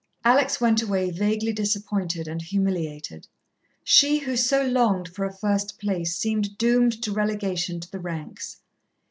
Alex went away vaguely disappointed and humiliated. She, who so longed for a first place, seemed doomed to relegation to the ranks.